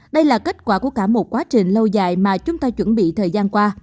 đây là kết quả của cả một quá trình lâu dài mà chúng ta chuẩn bị thời gian qua